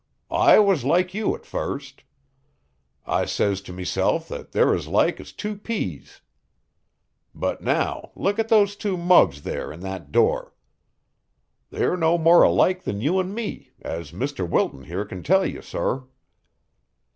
I was loike you at first. I says to meself that they're as like as two pease. But, now, look at those two mugs there in that door. They're no more alike than you and me, as Mr. Wilton here can tell you, sor."